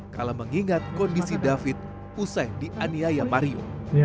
kalau mengingat kondisi david usai dianiaya mario